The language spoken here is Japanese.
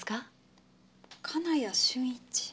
金谷俊一？